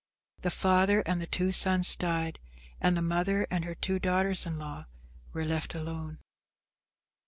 The father and the two sons died, and the mother and her two daughters in law were left alone.